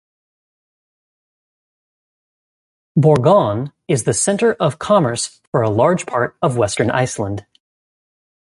Borgarnes is the center of commerce for a large part of western Iceland.